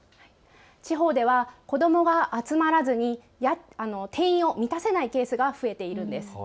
地方では子どもが集まらずに定員を満たせないケースが増えているんです。